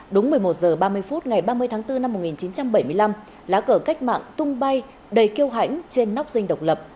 đúng một mươi một h ba mươi phút ngày ba mươi tháng bốn năm một nghìn chín trăm bảy mươi năm lá cờ cách mạng tung bay đầy kêu hãnh trên nóc dinh độc lập